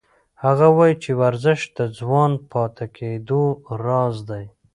هغه وایي چې ورزش د ځوان پاتې کېدو راز دی.